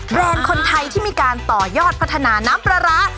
แบรนด์คนไทยมีการต่อยอดพัฒนาน้ำปลาร้า